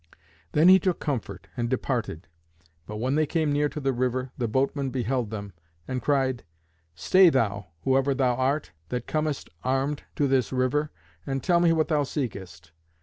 Then he took comfort and departed. But when they came near to the river, the Boatman beheld them, and cried, "Stay thou, whoever thou art, that comest armed to this river, and tell me what thou seekest.